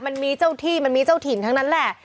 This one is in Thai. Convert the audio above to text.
มันมีเจ้าที่มันมีเจ้าถิ่นทั้งนั้นแหละ